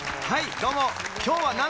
はい！